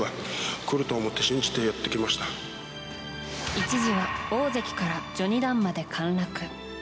一時は大関から序二段まで陥落。